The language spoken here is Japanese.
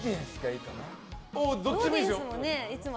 どっちでもいいですよ。